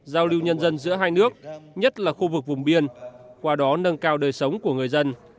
giao lưu nhân dân giữa hai nước nhất là khu vực vùng biên qua đó nâng cao đời sống của người dân